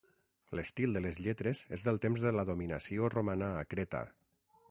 L'estil de les lletres és del temps de la dominació romana a Creta.